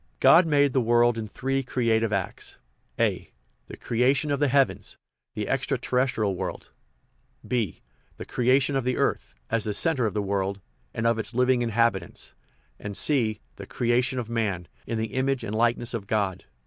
God made the world in three creative acts : (a) the creation of the heavens the ex tra terrestrial world, (b) the creation of the earth (as the centre of the world) and of its living inhabitants, and (c) the creation of man (in the image and likeness of God).